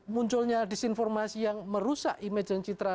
munculnya disinformasi yang merusak image dan citra